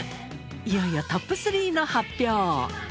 いよいよトップ３の発表